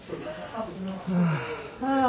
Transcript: はあ。